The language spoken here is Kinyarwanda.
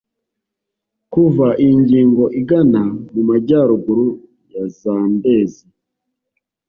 kuva iyi ngingo igana mu majyaruguru ya zambezi